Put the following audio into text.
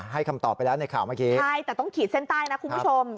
คำตอบไปแล้วในข่าวเมื่อกี้ใช่แต่ต้องขีดเส้นใต้นะคุณผู้ชม